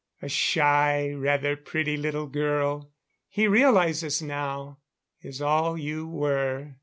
A shy, rather pretty little girl, he realizes now, is all you were.